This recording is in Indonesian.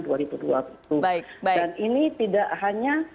dan ini tidak hanya